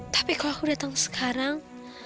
tapi kalau aku datang sekarang